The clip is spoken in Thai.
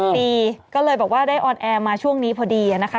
ปีก็เลยบอกว่าได้ออนแอร์มาช่วงนี้พอดีนะคะ